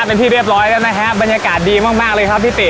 เป็นที่เรียบร้อยแล้วนะฮะบรรยากาศดีมากมากเลยครับพี่ติ